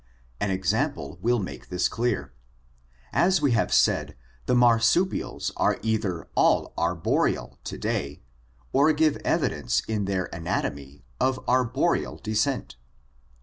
An example will make this clear. As we have said, the marsupials are either all arboreal to day or give evidence in their anatomy of arboreal descent.